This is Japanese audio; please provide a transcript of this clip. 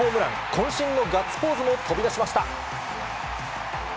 こん身のガッツポーズも飛び出しました。